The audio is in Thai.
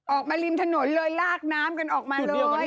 ริมถนนเลยลากน้ำกันออกมาเลย